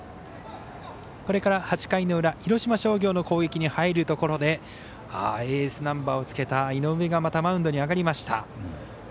これから８回の裏広島商業の攻撃に入るところでエースナンバーをつけた井上がまたマウンドに上がりました。